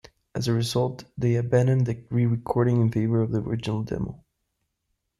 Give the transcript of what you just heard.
As a result, they abandoned the re-recording in favour of the original demo.